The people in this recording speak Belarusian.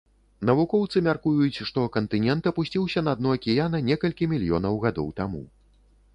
Навукоўцы мяркуюць, што кантынент апусціўся на дно акіяна некалькі мільёнаў гадоў таму.